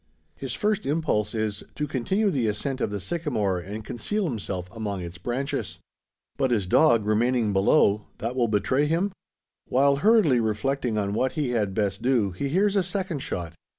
His first impulse is, to continue the ascent of the sycamore, and conceal himself among its branches. But his dog, remaining below that will betray him? While hurriedly reflecting on what he had best do, he hears a second shot.